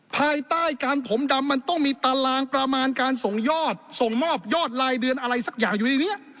ภายใต้การถมดำมันต้องมีตารางประมาณการส่งยอดส่งมอบยอดรายเดือนอะไรสักอย่างอยู่ในนี้